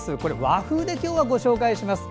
和風で今日はご紹介します。